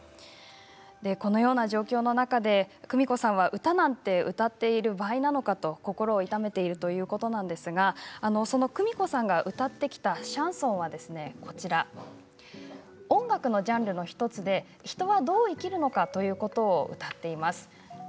このような状況の中でクミコさんは、歌なんて歌っている場合なのかと心を痛めているということですがそのクミコさんが歌ってきたシャンソンは音楽のジャンルの１つで人はどう生きるのかということを歌っています。